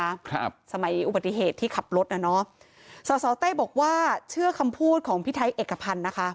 ครับสมัยอุบัติเหตุที่ขับรถน่ะเนอะสอสอเต้บอกว่าเชื่อคำพูดของพี่ไทยเอกพันธ์นะคะ